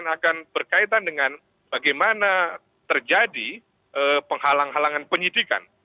akan berkaitan dengan bagaimana terjadi penghalang halangan penyidikan